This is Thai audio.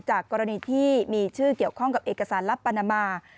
กรณีที่มีชื่อเกี่ยวข้องกับเอกสารลับปานามา